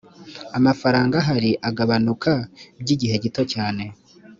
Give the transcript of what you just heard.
amafaranga ahari agabanuka by igihe gito cyane